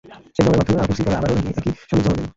শেখ জামালের মাধ্যমে আপুসি পরে আবারও নাকি একই সনদ জমা দেন।